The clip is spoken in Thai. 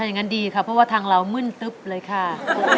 อเรนนี่มันดีค่ะเพราะว่าทางเรามึ่นตึ๊บเลยค่ะ